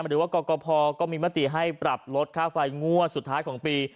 หรือว่ากรกภก็มีมติให้ปรับลดค่าไฟงวดสุดท้ายของปี